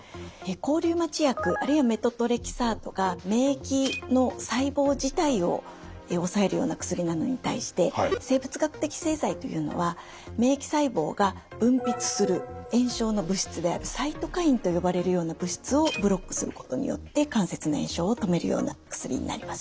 抗リウマチ薬あるいはメトトレキサートが免疫の細胞自体を抑えるような薬なのに対して生物学的製剤というのは免疫細胞が分泌する炎症の物質であるサイトカインと呼ばれるような物質をブロックすることによって関節の炎症を止めるような薬になります。